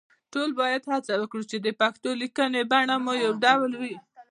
ټول باید هڅه وکړو چې د پښتو لیکنې بڼه مو يو ډول وي